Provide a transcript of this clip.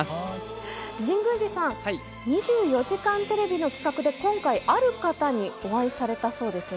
神宮寺さん、２４時間テレビの企画で、今回、ある方にお会いされたそうですね。